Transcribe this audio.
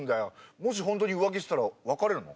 もし本当に浮気してたら別れるの？